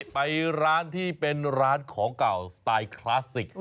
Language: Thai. ไปร้านที่เป็นร้านของเก่าสไตล์คลาสสิก